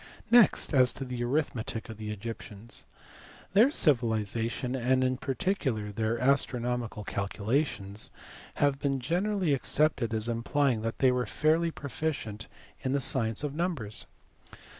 Next, as to the arithmetic of the Egyptians. Their civili zation, and in particular their astronomical calculations, have been generally accepted as implying that they were fairly proficient in the science of numbers.